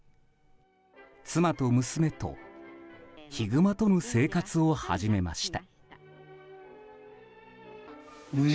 妻と娘とヒグマとの生活を始めました。